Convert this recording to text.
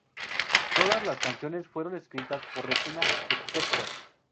Todas las canciones fueron escritas por Regina Spektor.